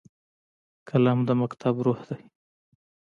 قلم د مکتب روح دی